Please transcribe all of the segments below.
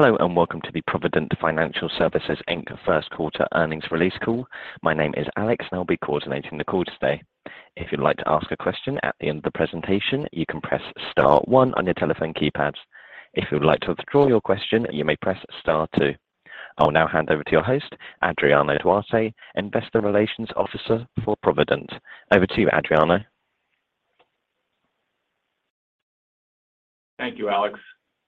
Hello and welcome to the Provident Financial Services, Inc. first quarter earnings release call. My name is Alex and I'll be coordinating the call today. If you'd like to ask a question at the end of the presentation, you can press Star one on your telephone keypads. If you would like to withdraw your question, you may press Star two. I'll now hand over to your host, Adriano Duarte, Investor Relations Officer for Provident. Over to you, Adriano. Thank you, Alex.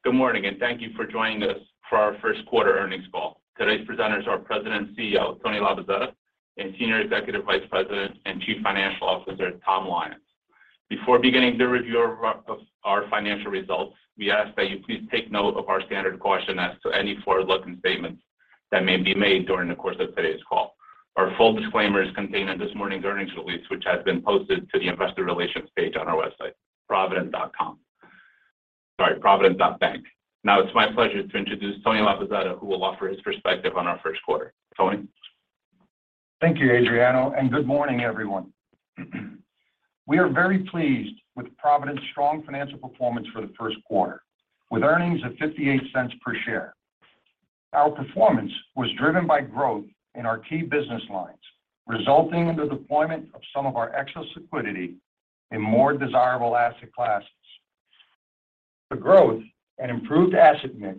Good morning, and thank you for joining us for our first quarter earnings call. Today's presenters are President and CEO, Tony Labozzetta, and Senior Executive Vice President and Chief Financial Officer, Tom Lyons. Before beginning the review of our financial results, we ask that you please take note of our standard caution as to any forward-looking statements that may be made during the course of today's call. Our full disclaimer is contained in this morning's earnings release, which has been posted to the investor relations page on our website, provident.bank. Sorry, provident.bank. Now it's my pleasure to introduce Tony Labozzetta, who will offer his perspective on our first quarter. Tony. Thank you, Adriano, and good morning, everyone. We are very pleased with Provident's strong financial performance for the first quarter, with earnings of $0.58 per share. Our performance was driven by growth in our key business lines, resulting in the deployment of some of our excess liquidity in more desirable asset classes. The growth and improved asset mix,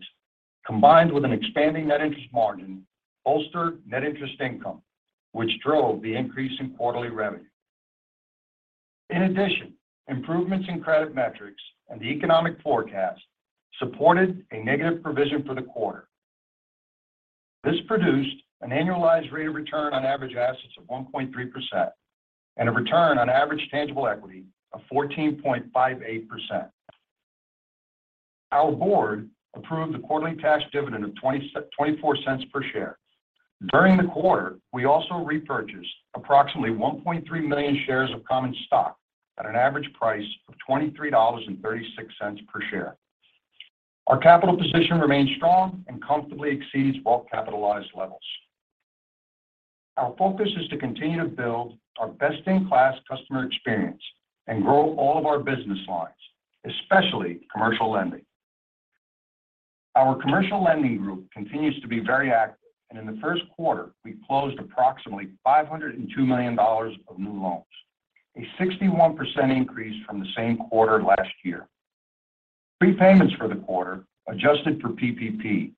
combined with an expanding net interest margin, bolstered net interest income, which drove the increase in quarterly revenue. In addition, improvements in credit metrics and the economic forecast supported a negative provision for the quarter. This produced an annualized rate of return on average assets of 1.3% and a return on average tangible equity of 14.58%. Our Board approved the quarterly cash dividend of $0.24 per share. During the quarter, we also repurchased approximately 1.3 million shares of common stock at an average price of $23.36 per share. Our capital position remains strong and comfortably exceeds well-capitalized levels. Our focus is to continue to build our best-in-class customer experience and grow all of our business lines, especially commercial lending. Our Commercial Lending Group continues to be very active, and in the first quarter, we closed approximately $502 million of new loans, a 61% increase from the same quarter last year. Prepayments for the quarter, adjusted for PPP,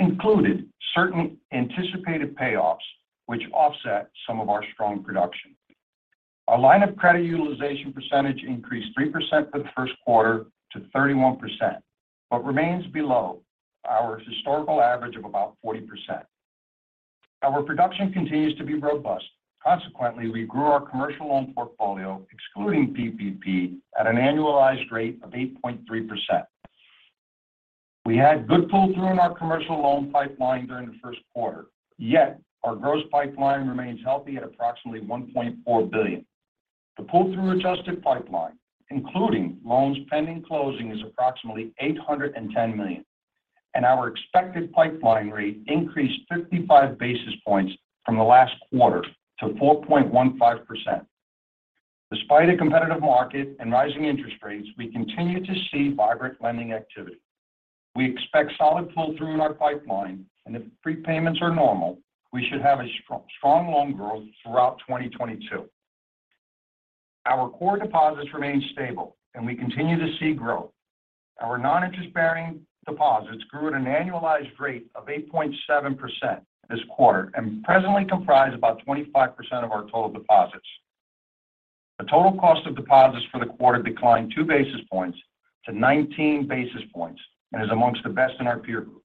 included certain anticipated payoffs, which offset some of our strong production. Our line of credit utilization percentage increased 3% for the first quarter to 31%, but remains below our historical average of about 40%. Our production continues to be robust. Consequently, we grew our commercial loan portfolio, excluding PPP, at an annualized rate of 8.3%. We had good pull-through in our commercial loan pipeline during the first quarter, yet our gross pipeline remains healthy at approximately $1.4 billion. The pull-through-adjusted pipeline, including loans pending closing, is approximately $810 million, and our expected pipeline rate increased 55 basis points from the last quarter to 4.15%. Despite a competitive market and rising interest rates, we continue to see vibrant lending activity. We expect solid pull-through in our pipeline, and if prepayments are normal, we should have a strong loan growth throughout 2022. Our core deposits remain stable and we continue to see growth. Our non-interest-bearing deposits grew at an annualized rate of 8.7% this quarter and presently comprise about 25% of our total deposits. The total cost of deposits for the quarter declined 2 basis points to 19 basis points and is among the best in our peer group.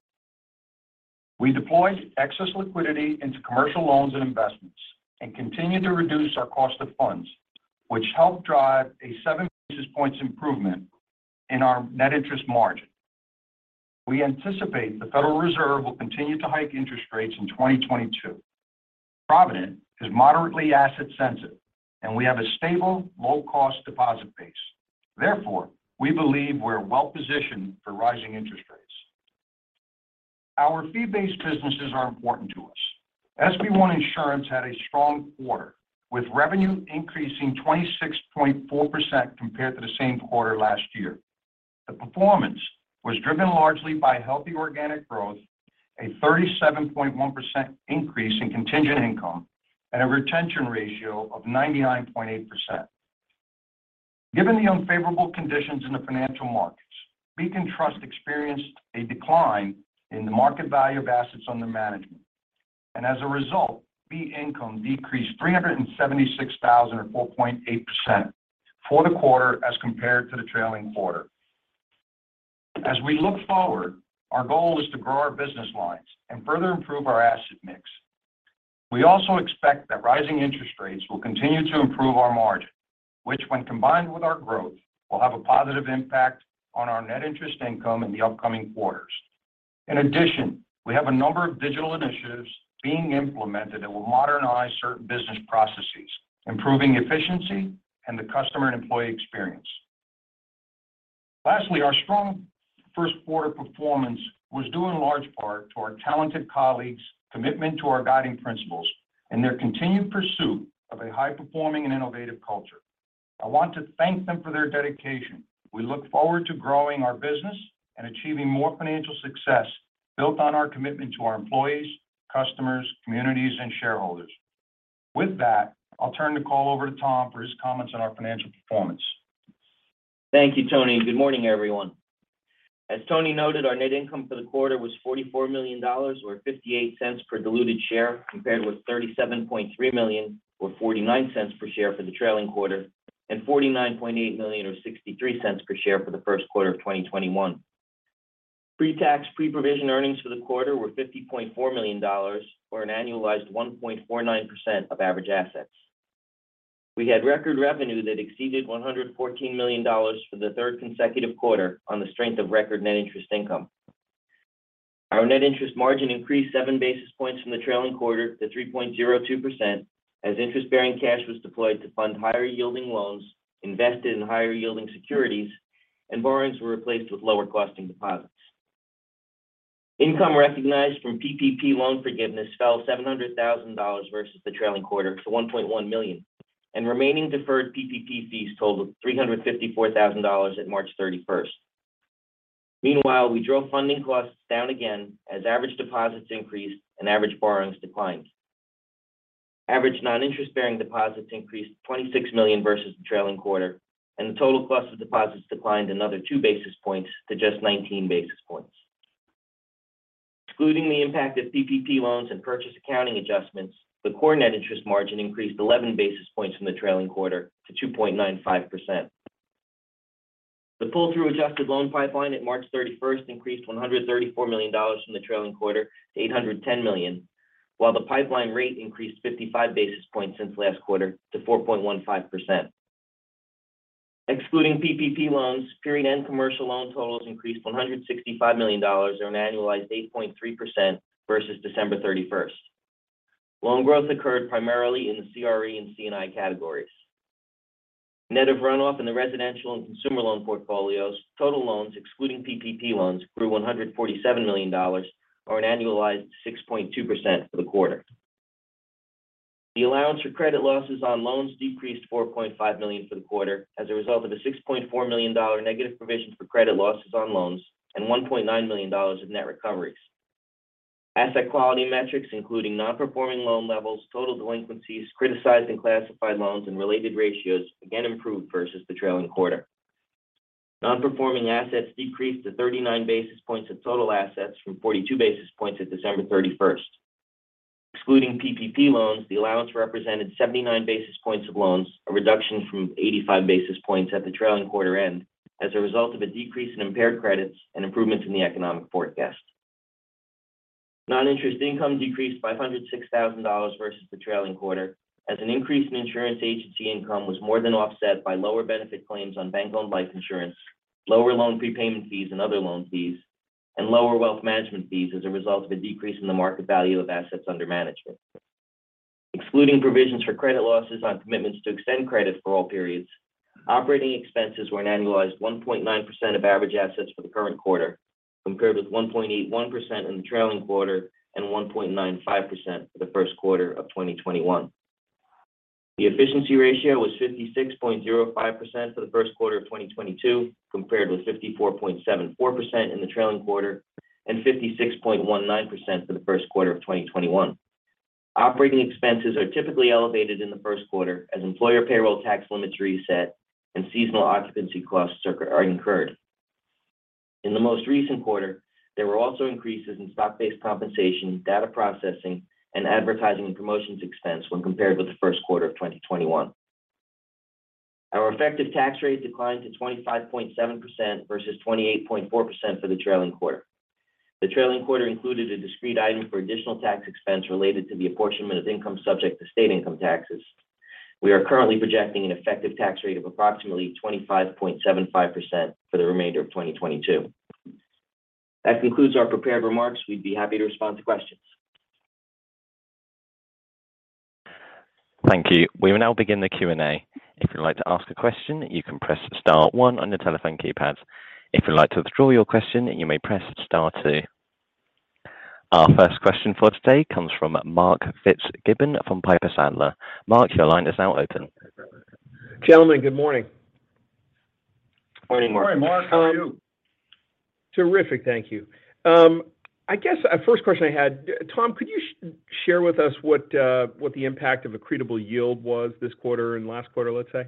We deployed excess liquidity into commercial loans and investments and continued to reduce our cost of funds, which helped drive a 7 basis points improvement in our net interest margin. We anticipate the Federal Reserve will continue to hike interest rates in 2022. Provident is moderately asset sensitive, and we have a stable, low-cost deposit base. Therefore, we believe we're well-positioned for rising interest rates. Our fee-based businesses are important to us. SB One Insurance had a strong quarter, with revenue increasing 26.4% compared to the same quarter last year. The performance was driven largely by healthy organic growth, a 37.1% increase in contingent income, and a retention ratio of 99.8%. Given the unfavorable conditions in the financial markets, Beacon Trust experienced a decline in the market value of assets under management, and as a result, fee income decreased $376,000, or 4.8% for the quarter as compared to the trailing quarter. As we look forward, our goal is to grow our business lines and further improve our asset mix. We also expect that rising interest rates will continue to improve our margin, which, when combined with our growth, will have a positive impact on our net interest income in the upcoming quarters. In addition, we have a number of digital initiatives being implemented that will modernize certain business processes, improving efficiency and the customer and employee experience. Lastly, our strong first quarter performance was due in large part to our talented colleagues' commitment to our guiding principles and their continued pursuit of a high-performing and innovative culture. I want to thank them for their dedication. We look forward to growing our business and achieving more financial success built on our commitment to our employees, customers, communities, and shareholders. With that, I'll turn the call over to Tom for his comments on our financial performance. Thank you, Tony, and good morning, everyone. As Tony noted, our net income for the quarter was $44 million or $0.58 per diluted share, compared with $37.3 million or $0.49 per share for the trailing quarter and $49.8 million or $0.63 per share for the first quarter of 2021. Pre-tax, pre-provision earnings for the quarter were $50.4 million or an annualized 1.49% of average assets. We had record revenue that exceeded $114 million for the third consecutive quarter on the strength of record net interest income. Our net interest margin increased 7 basis points from the trailing quarter to 3.02% as interest-bearing cash was deployed to fund higher-yielding loans, invested in higher-yielding securities, and borrowings were replaced with lower-costing deposits. Income recognized from PPP loan forgiveness fell $700,000 versus the trailing quarter to $1.1 million, and remaining deferred PPP fees totaled $354,000 at March 31st. Meanwhile, we drove funding costs down again as average deposits increased and average borrowings declined. Average non-interest-bearing deposits increased $26 million versus the trailing quarter, and the total cost of deposits declined another 2 basis points to just 19 basis points. Excluding the impact of PPP loans and purchase accounting adjustments, the core net interest margin increased 11 basis points from the trailing quarter to 2.95%. The pull-through adjusted loan pipeline at March 31st increased $134 million from the trailing quarter to $810 million, while the pipeline rate increased 55 basis points since last quarter to 4.15%. Excluding PPP loans, period-end commercial loan totals increased $165 million or an annualized 8.3% versus December 31st. Loan growth occurred primarily in the CRE and C&I categories. Net of runoff in the residential and consumer loan portfolios, total loans excluding PPP loans grew $147 million or an annualized 6.2% for the quarter. The allowance for credit losses on loans decreased $4.5 million for the quarter as a result of the $6.4 million negative provision for credit losses on loans and $1.9 million of net recoveries. Asset quality metrics, including non-performing loan levels, total delinquencies, criticized and classified loans and related ratios again improved versus the trailing quarter. Non-performing assets decreased to 39 basis points of total assets from 42 basis points at December 31st. Excluding PPP loans, the allowance represented 79 basis points of loans, a reduction from 85 basis points at the trailing quarter-end as a result of a decrease in impaired credits and improvements in the economic forecast. Non-interest income decreased by $106,000 versus the trailing quarter as an increase in insurance agency income was more than offset by lower benefit claims on bank-owned life insurance, lower loan prepayment fees and other loan fees, and lower wealth management fees as a result of a decrease in the market value of assets under management. Excluding provisions for credit losses on commitments to extend credit for all periods, operating expenses were an annualized 1.9% of average assets for the current quarter, compared with 1.81% in the trailing quarter and 1.95% for the first quarter of 2021. The efficiency ratio was 56.05% for the first quarter of 2022, compared with 54.74% in the trailing quarter and 56.19% for the first quarter of 2021. Operating expenses are typically elevated in the first quarter as employer payroll tax limits reset and seasonal occupancy costs are incurred. In the most recent quarter, there were also increases in stock-based compensation, data processing, and advertising and promotions expense when compared with the first quarter of 2021. Our effective tax rate declined to 25.7% versus 28.4% for the trailing quarter. The trailing quarter included a discrete item for additional tax expense related to the apportionment of income subject to state income taxes. We are currently projecting an effective tax rate of approximately 25.75% for the remainder of 2022. That concludes our prepared remarks. We'd be happy to respond to questions. Thank you. We will now begin the Q&A. If you'd like to ask a question, you can press Star one on your telephone keypad. If you'd like to withdraw your question, you may press Star two. Our first question for today comes from Mark Fitzgibbon from Piper Sandler. Mark, your line is now open. Gentlemen, good morning. Morning, Mark. Good morning, Mark. How are you? Terrific, thank you. I guess, first question I had, Tom, could you share with us what the impact of accretable yield was this quarter and last quarter, let's say?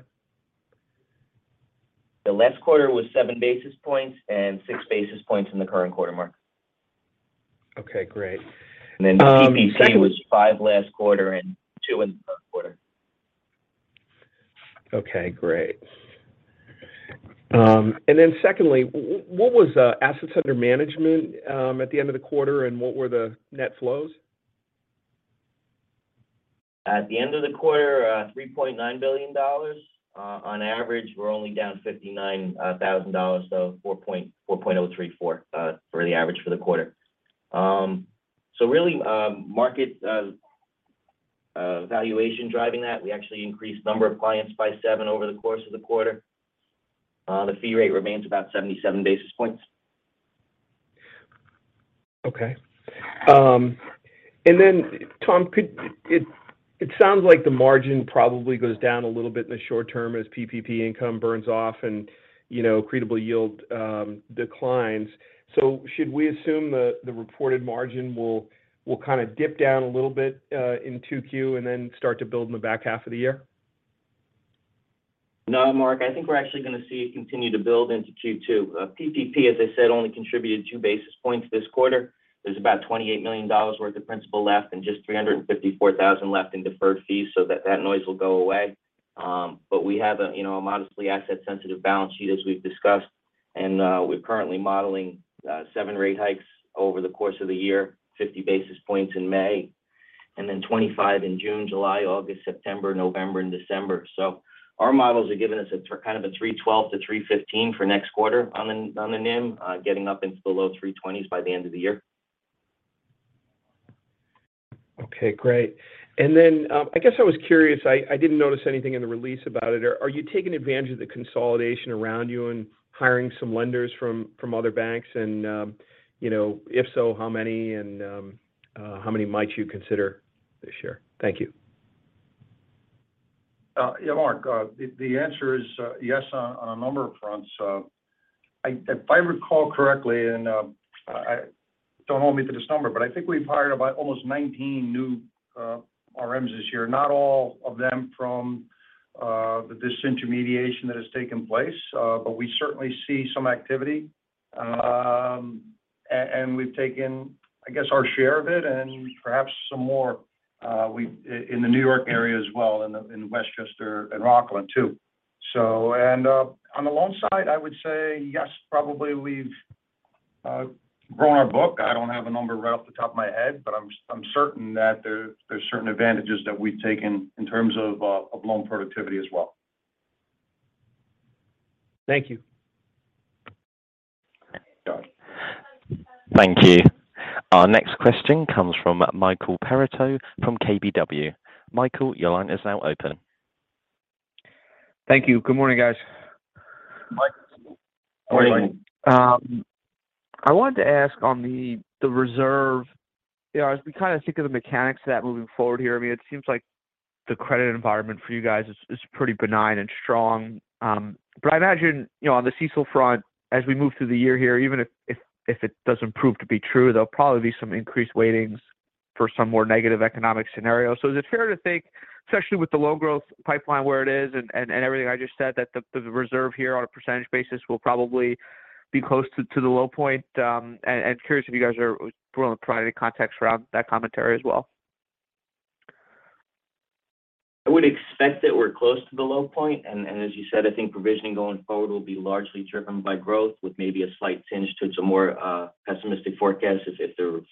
The last quarter was 7 basis points and 6 basis points in the current quarter, Mark. Okay, great. PPP was $5 last quarter and $2 in the third quarter. Okay, great. Secondly, what was assets under management at the end of the quarter, and what were the net flows? At the end of the quarter, $3.9 billion. On average, we're only down $59,000, so $4.034 billion for the average for the quarter. Really, market valuation driving that. We actually increased number of clients by seven over the course of the quarter. The fee rate remains about 77 basis points. Okay. Tom, it sounds like the margin probably goes down a little bit in the short term as PPP income burns off and, you know, accreditable yield declines. Should we assume the reported margin will kind of dip down a little bit in 2Q and then start to build in the back half of the year? No, Mark, I think we're actually going to see it continue to build into 2022. PPP, as I said, only contributed 2 basis points this quarter. There's about $28 million worth of principal left and just $354,000 left in deferred fees, so that noise will go away. But we have a, you know, a modestly asset-sensitive balance sheet as we've discussed. We're currently modeling 7 rate hikes over the course of the year, 50 basis points in May, and then 25 in June, July, August, September, November, and December. Our models are giving us a kind of a 3.12%-3.15% for next quarter on the NIM, getting up into the low 3.20s% by the end of the year. Okay, great. I guess I was curious. I didn't notice anything in the release about it. Are you taking advantage of the consolidation around you and hiring some lenders from other banks? You know, if so, how many and how many might you consider this year? Thank you. Yeah, Mark, the answer is yes on a number of fronts. If I recall correctly, I don't hold me to this number, but I think we've hired about almost 19 new RMs this year. Not all of them from the disintermediation that has taken place, but we certainly see some activity. We've taken, I guess, our share of it and perhaps some more in the New York area as well, in Westchester and Rockland too. On the loan side, I would say yes, probably we've grown our book. I don't have a number right off the top of my head, but I'm certain that there's certain advantages that we've taken in terms of of loan productivity as well. Thank you. You're welcome. Thank you. Our next question comes from Michael Perito from KBW. Michael, your line is now open. Thank you. Good morning, guys. Mike, good morning. I wanted to ask on the reserve, you know, as we kind of think of the mechanics of that moving forward here. I mean, it seems like the credit environment for you guys is pretty benign and strong. But I imagine, you know, on the CECL front, as we move through the year here, even if it doesn't prove to be true, there'll probably be some increased weightings for some more negative economic scenarios. Is it fair to think, especially with the low growth pipeline where it is and everything I just said, that the reserve here on a percentage basis will probably be close to the low point? Curious if you guys are willing to provide any context around that commentary as well. I would expect that we're close to the low point. As you said, I think provisioning going forward will be largely driven by growth with maybe a slight tinge to some more pessimistic forecasts if the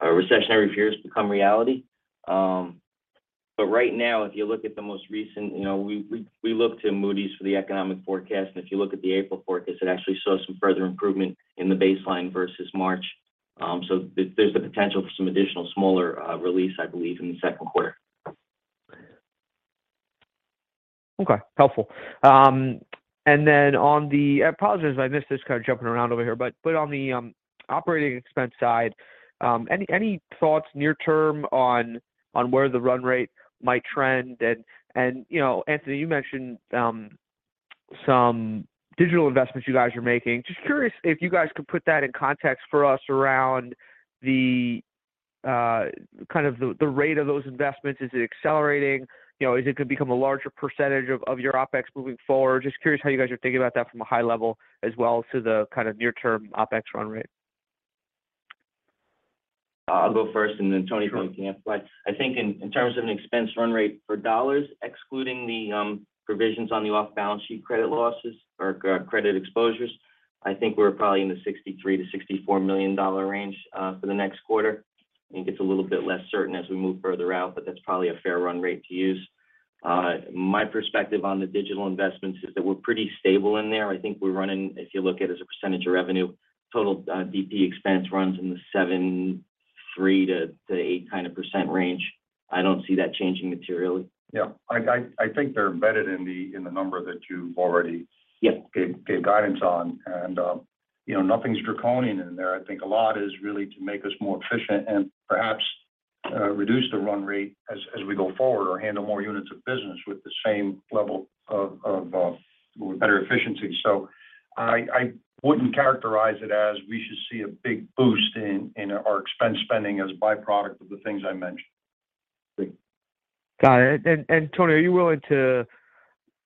recessionary fears become reality. Right now if you look at the most recent, you know, we look to Moody's for the economic forecast, and if you look at the April forecast, it actually saw some further improvement in the baseline versus March. There's the potential for some additional smaller release, I believe, in the second quarter. Okay. Helpful. Apologies if I missed this, kind of jumping around over here. But on the operating expense side, any thoughts near term on where the run rate might trend? You know, Anthony, you mentioned some digital investments you guys are making. Just curious if you guys could put that in context for us around the kind of the rate of those investments. Is it accelerating? You know, is it going to become a larger percentage of your OpEx moving forward? Just curious how you guys are thinking about that from a high level as well as to the kind of near term OpEx run rate. I'll go first and then Tony can amplify. I think in terms of an expense run rate for dollars, excluding the provisions on the off-balance sheet credit losses or credit exposures, I think we're probably in the $63 million-$64 million range for the next quarter. I think it's a little bit less certain as we move further out, but that's probably a fair run rate to use. My perspective on the digital investments is that we're pretty stable in there. I think we're running, if you look at as a percentage of revenue, total DP expense runs in the 7.3%-8% kind of range. I don't see that changing materially. Yeah. I think they're embedded in the number that you've already. Yes gave guidance on. You know, nothing's draconian in there. I think a lot is really to make us more efficient and perhaps reduce the run rate as we go forward or handle more units of business with the same level of with better efficiency. I wouldn't characterize it as we should see a big boost in our expense spending as a byproduct of the things I mentioned. Great. Got it. Tony, are you willing to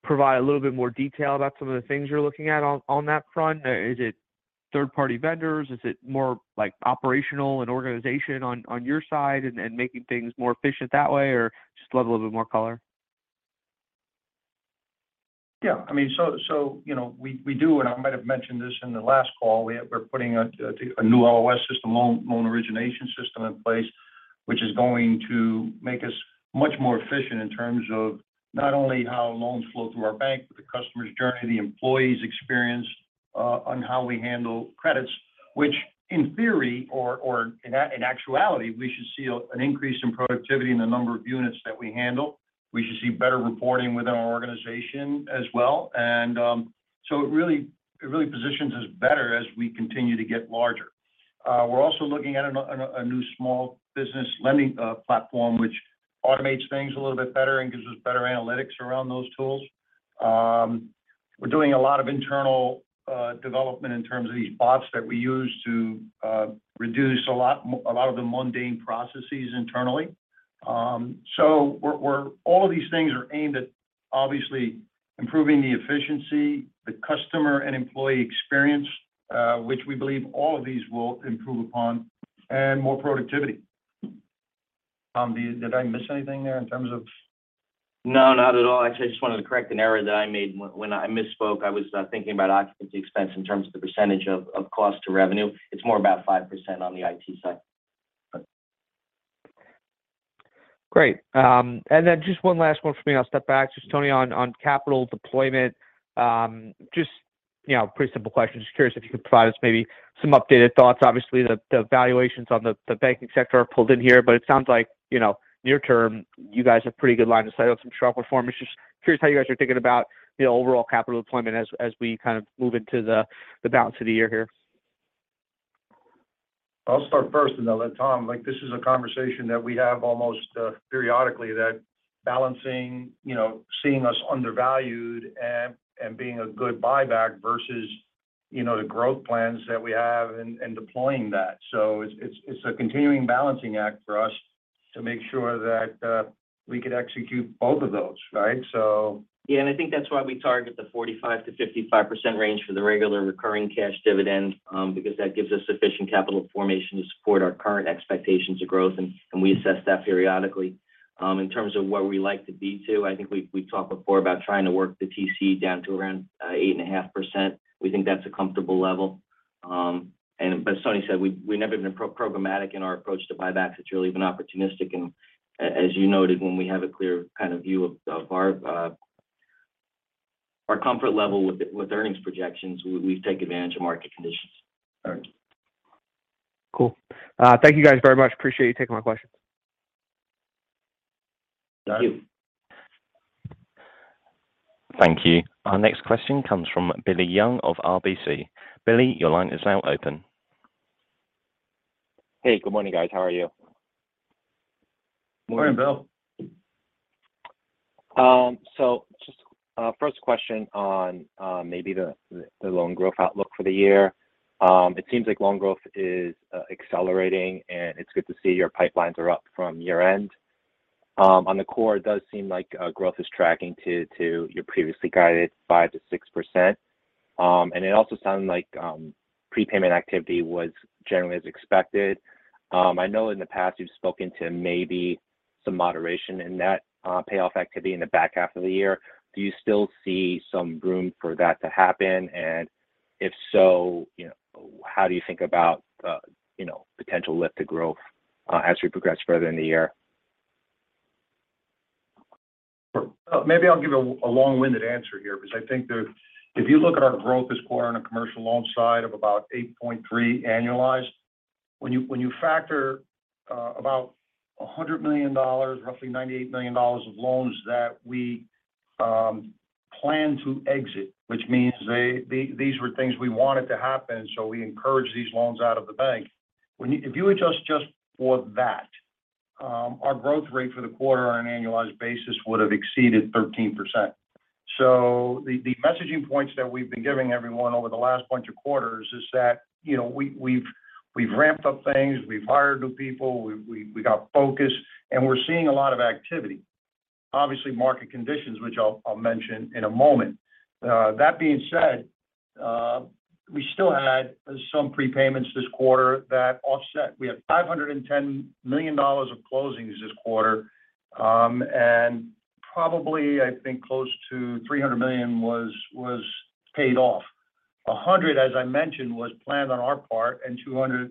provide a little bit more detail about some of the things you're looking at on that front? Is it third-party vendors? Is it more like operational and organizational on your side and making things more efficient that way? Or I'd just love a little bit more color. Yeah, I mean, you know, we do, and I might have mentioned this in the last call. We're putting a new LOS system, loan origination system in place, which is going to make us much more efficient in terms of not only how loans flow through our bank, but the customer's journey, the employee's experience, on how we handle credits. Which in theory or in actuality, we should see an increase in productivity in the number of units that we handle. We should see better reporting within our organization as well. It really positions us better as we continue to get larger. We're also looking at a new small business lending platform which automates things a little bit better and gives us better analytics around those tools. We're doing a lot of internal development in terms of these bots that we use to reduce a lot of the mundane processes internally. All of these things are aimed at, obviously, improving the efficiency, the customer and employee experience, which we believe all of these will improve upon and more productivity. Did I miss anything there in terms of? No, not at all. Actually, I just wanted to correct an error that I made when I misspoke. I was thinking about occupancy expense in terms of the percentage of cost to revenue. It's more about 5% on the IT side. Okay. Great. Just one last one for me and I'll step back. Just Tony, on capital deployment, just, you know, pretty simple question. Just curious if you could provide us maybe some updated thoughts. Obviously, the valuations on the banking sector are pulled in here, but it sounds like, you know, near term, you guys have pretty good line of sight on some strong performance. Just curious how you guys are thinking about the overall capital deployment as we kind of move into the balance of the year here. I'll start first and then let Tom. Like, this is a conversation that we have almost periodically, the balancing, you know, seeing us undervalued and being a good buyback versus, you know, the growth plans that we have and deploying that. It's a continuing balancing act for us to make sure that we could execute both of those, right? So Yeah, I think that's why we target the 45%-55% range for the regular recurring cash dividend, because that gives us sufficient capital formation to support our current expectations of growth, and we assess that periodically. In terms of where we like to be, I think we talked before about trying to work the TC down to around 8.5%. We think that's a comfortable level. As Tony said, we've never been pro-programmatic in our approach to buybacks. It's really been opportunistic and as you noted, when we have a clear kind of view of our comfort level with earnings projections, we take advantage of market conditions. All right. Cool. Thank you guys very much. Appreciate you taking my questions. Thank you. Thank you. Thank you. Our next question comes from Billy Young of RBC. Billy, your line is now open. Hey, good morning, guys. How are you? Morning, Billy. Just first question on maybe the loan growth outlook for the year. It seems like loan growth is accelerating, and it's good to see your pipelines are up from year-end. On the core, it does seem like growth is tracking to your previously guided 5%-6%. It also sounded like prepayment activity was generally as expected. I know in the past you've spoken to maybe some moderation in that payoff activity in the back half of the year. Do you still see some room for that to happen? If so, you know, how do you think about you know, potential lift to growth, as we progress further in the year? Sure. Maybe I'll give a long-winded answer here because I think there's, if you look at our growth this quarter on a commercial loan side of about 8.3% annualized, when you factor about $100 million, roughly $98 million of loans that we plan to exit, which means these were things we wanted to happen, so we encouraged these loans out of the bank. If you adjust just for that, our growth rate for the quarter on an annualized basis would have exceeded 13%. The messaging points that we've been giving everyone over the last bunch of quarters is that, you know, we've ramped up things. We've hired new people. We got focus, and we're seeing a lot of activity. Obviously, market conditions, which I'll mention in a moment. That being said, we still had some prepayments this quarter that offset. We had $510 million of closings this quarter. And probably, I think close to $300 million was paid off. $100, as I mentioned, was planned on our part and $200,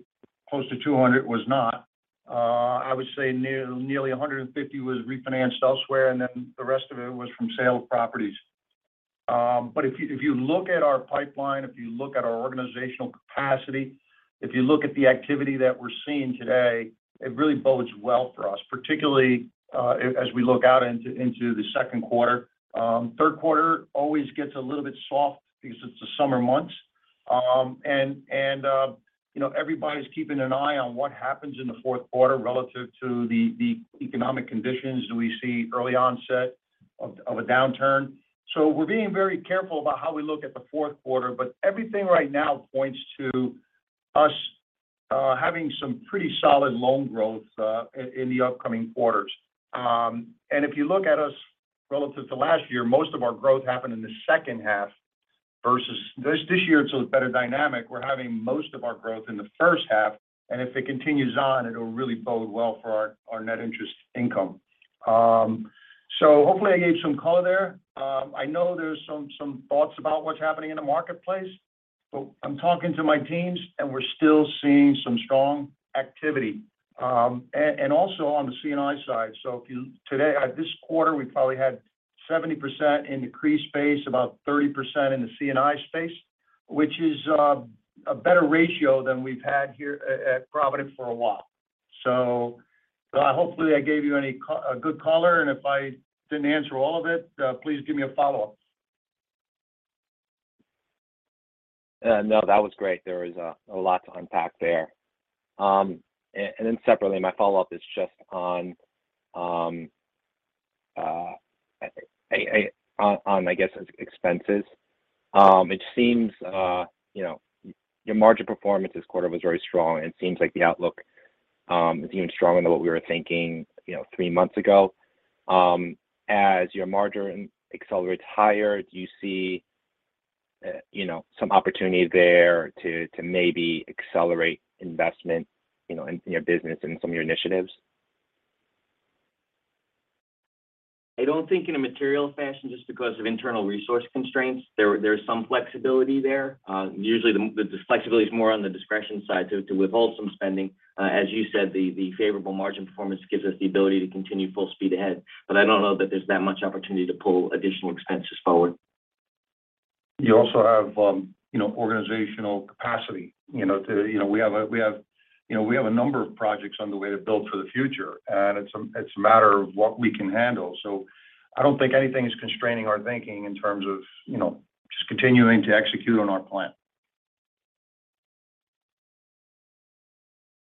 close to $200 was not. I would say nearly $150 million was refinanced elsewhere, and then the rest of it was from sale of properties. But if you look at our pipeline, if you look at our organizational capacity, if you look at the activity that we're seeing today, it really bodes well for us, particularly as we look out into the second quarter. Third quarter always gets a little bit soft because it's the summer months. You know, everybody's keeping an eye on what happens in the fourth quarter relative to the economic conditions. Do we see early onset of a downturn? We're being very careful about how we look at the fourth quarter, but everything right now points to us having some pretty solid loan growth in the upcoming quarters. If you look at us relative to last year, most of our growth happened in the second half versus this year, it's a better dynamic. We're having most of our growth in the first half, and if it continues on, it'll really bode well for our net interest income. Hopefully I gave some color there. I know there's some thoughts about what's happening in the marketplace. I'm talking to my teams, and we're still seeing some strong activity. Also on the C&I side. Today at this quarter, we probably had 70% in CRE space, about 30% in the C&I space. Which is a better ratio than we've had here at Provident for a while. Hopefully I gave you a good color. If I didn't answer all of it, please give me a follow-up. No, that was great. There was a lot to unpack there. And then separately, my follow-up is just on expenses. It seems, you know, your margin performance this quarter was very strong, and it seems like the outlook is even stronger than what we were thinking, you know, three months ago. As your margin accelerates higher, do you see, you know, some opportunities there to maybe accelerate investment, you know, in your business and some of your initiatives? I don't think in a material fashion, just because of internal resource constraints. There is some flexibility there. Usually the flexibility is more on the discretion side to withhold some spending. As you said, the favorable margin performance gives us the ability to continue full speed ahead. I don't know that there's that much opportunity to pull additional expenses forward. You also have, you know, organizational capacity. You know, we have, you know, a number of projects on the way to build for the future, and it's a matter of what we can handle. I don't think anything is constraining our thinking in terms of, you know, just continuing to execute on our plan.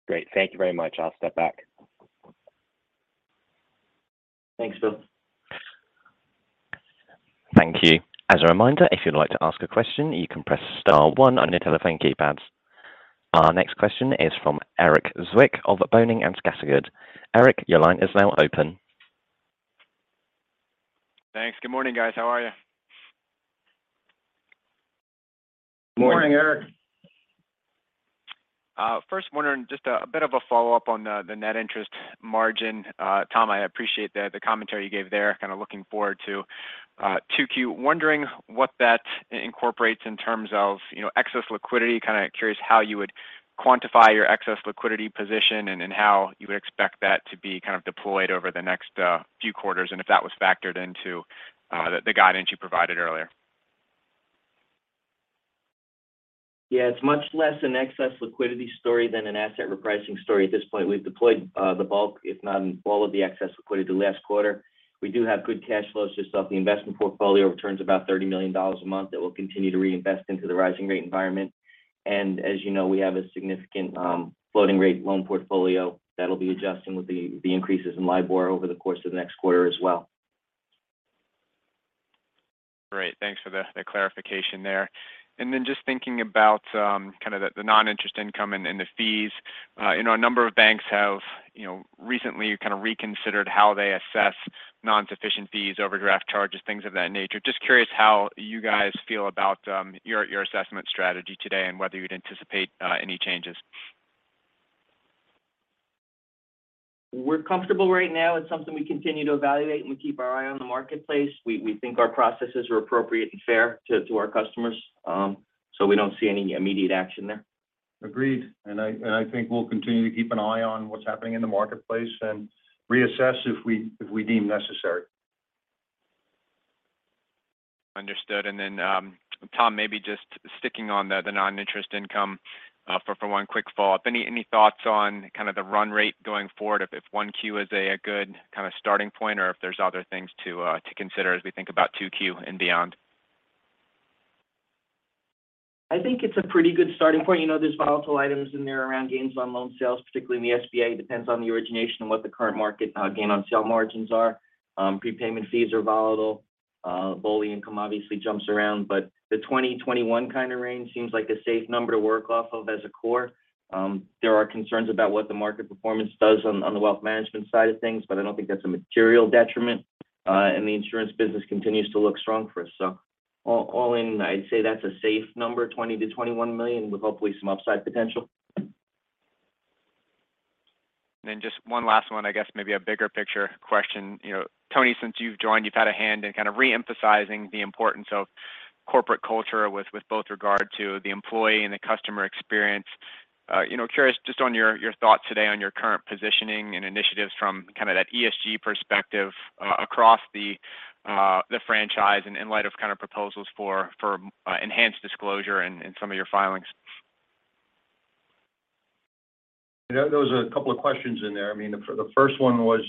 Great. Thank you very much. I'll step back. Thanks, Bill. Thank you. As a reminder, if you'd like to ask a question, you can press Star one on your telephone keypads. Our next question is from Erik Zwick of Boenning & Scattergood. Erik, your line is now open. Thanks. Good morning, guys. How are you? Morning. Morning, Erik. First, wondering just a bit of a follow-up on the net interest margin. Tom, I appreciate the commentary you gave there. Kind of looking forward to 2Q. Wondering what that incorporates in terms of, you know, excess liquidity. Kind of curious how you would quantify your excess liquidity position and how you would expect that to be kind of deployed over the next few quarters, and if that was factored into the guidance you provided earlier. Yeah, it's much less an excess liquidity story than an asset repricing story at this point. We've deployed the bulk, if not all of the excess liquidity last quarter. We do have good cash flows just off the investment portfolio returns about $30 million a month that we'll continue to reinvest into the rising rate environment. As you know, we have a significant floating rate loan portfolio that'll be adjusting with the increases in LIBOR over the course of the next quarter as well. Great. Thanks for the clarification there. Just thinking about kind of the non-interest income and the fees. You know, a number of banks have you know recently kind of reconsidered how they assess non-sufficient fees, overdraft charges, things of that nature. Just curious how you guys feel about your assessment strategy today and whether you'd anticipate any changes. We're comfortable right now. It's something we continue to evaluate, and we keep our eye on the marketplace. We think our processes are appropriate and fair to our customers. We don't see any immediate action there. Agreed. I think we'll continue to keep an eye on what's happening in the marketplace and reassess if we deem necessary. Understood. Tom, maybe just sticking on the noninterest income for one quick follow-up. Any thoughts on kind of the run rate going forward? If 1Q is a good kind of starting point or if there's other things to consider as we think about 2Q and beyond? I think it's a pretty good starting point. You know, there's volatile items in there around gains on loan sales, particularly in the SBA. Depends on the origination and what the current market, gain on sale margins are. Prepayment fees are volatile. BOLI income obviously jumps around. The 20-21 kind of range seems like a safe number to work off of as a core. There are concerns about what the market performance does on the wealth management side of things, but I don't think that's a material detriment. The insurance business continues to look strong for us. All in, I'd say that's a safe number, $20 million-$21 million, with hopefully some upside potential. Just one last one, I guess maybe a bigger picture question. You know, Tony, since you've joined, you've had a hand in kind of re-emphasizing the importance of corporate culture with both regard to the employee and the customer experience. You know, curious just on your thoughts today on your current positioning and initiatives from kind of that ESG perspective across the franchise and in light of kind of proposals for enhanced disclosure in some of your filings. You know, there was a couple of questions in there. I mean, the first one was,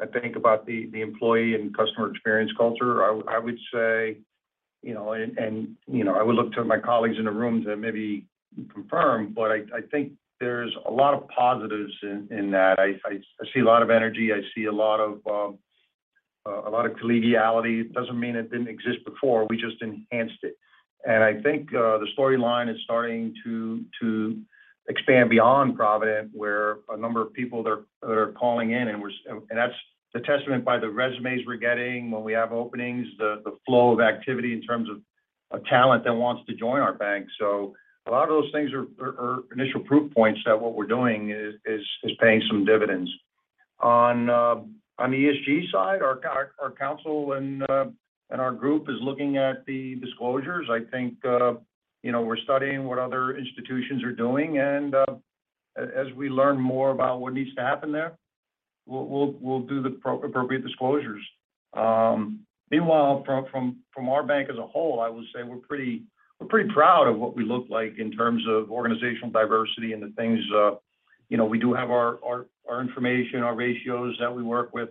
I think about the employee and customer experience culture. I would say, you know, I would look to my colleagues in the room to maybe confirm. I think there's a lot of positives in that. I see a lot of energy. I see a lot of collegiality. It doesn't mean it didn't exist before. We just enhanced it. I think the storyline is starting to expand beyond Provident, where a number of people there are calling in. That's the testament by the resumes we're getting when we have openings, the flow of activity in terms of talent that wants to join our bank. A lot of those things are initial proof points that what we're doing is paying some dividends. On the ESG side, our council and our group is looking at the disclosures. I think, you know, we're studying what other institutions are doing. As we learn more about what needs to happen there. We'll do the appropriate disclosures. Meanwhile, from our bank as a whole, I will say we're pretty proud of what we look like in terms of organizational diversity and the things, you know, we do have our information, our ratios that we work with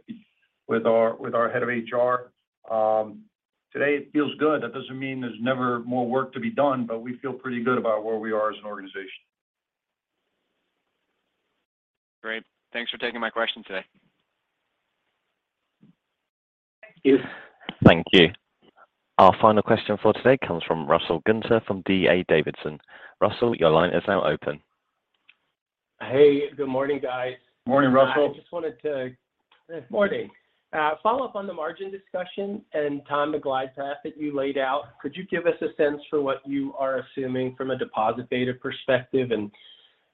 our head of HR. Today it feels good. That doesn't mean there's never more work to be done, but we feel pretty good about where we are as an organization. Great. Thanks for taking my question today. Thank you. Thank you. Our final question for today comes from Russell Gunther from D.A. Davidson. Russell, your line is now open. Hey, good morning, guys. Morning, Russell. I just wanted to. Morning Follow-up on the margin discussion and Tom, the glide path that you laid out. Could you give us a sense for what you are assuming from a deposit beta perspective?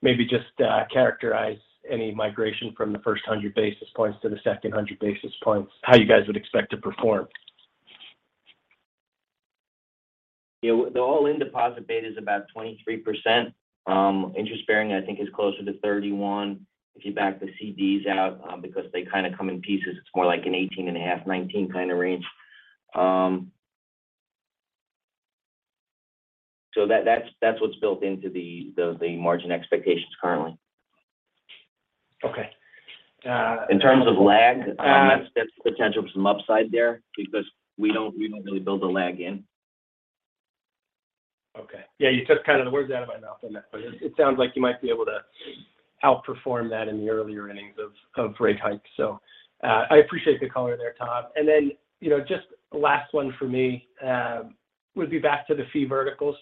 Maybe just characterize any migration from the first 100 basis points to the second 100 basis points, how you guys would expect to perform. Yeah. The all-in deposit beta is about 23%. Interest-bearing, I think, is closer to 31%. If you back the CDs out, because they kind of come in pieces, it's more like an 18.5%-19% kinda range. So that's what's built into the margin expectations currently. Okay. In terms of lag. Uh- That's the potential for some upside there because we don't really build a lag in. Okay. Yeah, you took kind of the words out of my mouth on that, but it sounds like you might be able to outperform that in the earlier innings of rate hikes. I appreciate the color there, Tom. Then, you know, just last one for me, would be back to the fee vertical.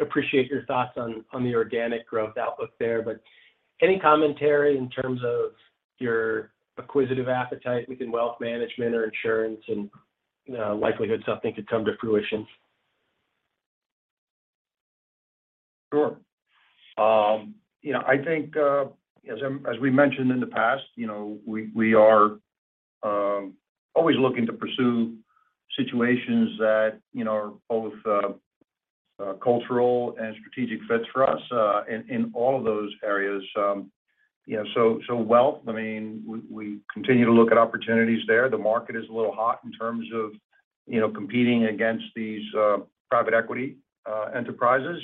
Appreciate your thoughts on the organic growth outlook there. Any commentary in terms of your acquisitive appetite within wealth management or insurance and, you know, likelihood something could come to fruition? Sure. You know, I think, as we mentioned in the past, you know, we are always looking to pursue situations that, you know, are both cultural and strategic fits for us, in all of those areas. You know, so wealth, I mean, we continue to look at opportunities there. The market is a little hot in terms of, you know, competing against these private equity enterprises.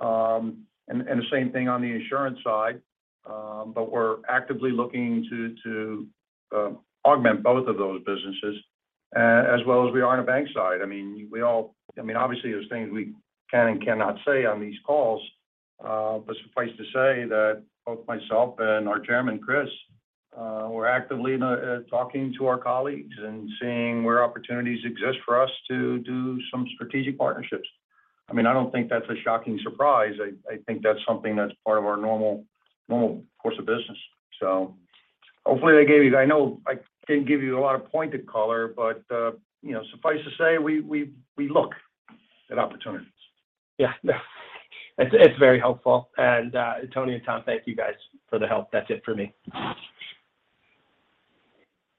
The same thing on the insurance side. We're actively looking to augment both of those businesses, as well as we are on the bank side. I mean, obviously, there's things we can and cannot say on these calls. Suffice to say that both myself and our Chairman, Chris, we're actively talking to our colleagues and seeing where opportunities exist for us to do some strategic partnerships. I mean, I don't think that's a shocking surprise. I think that's something that's part of our normal course of business. I know I didn't give you a lot of pointed color, but you know, suffice to say, we look at opportunities. Yeah. No, it's very helpful. Tony and Tom, thank you guys for the help. That's it for me.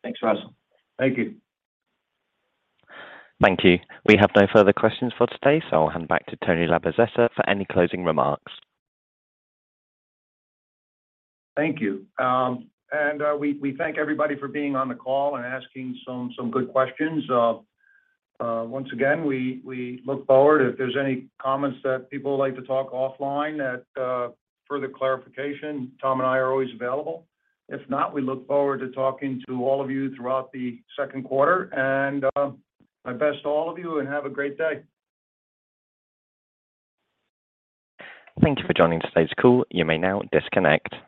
Thanks, Russell. Thank you. Thank you. We have no further questions for today, so I'll hand back to Tony Labozzetta for any closing remarks. Thank you. We thank everybody for being on the call and asking some good questions. Once again, we look forward. If there's any comments that people would like to talk offline at further clarification, Tom and I are always available. If not, we look forward to talking to all of you throughout the second quarter. My best to all of you, and have a great day. Thank you for joining today's call. You may now disconnect.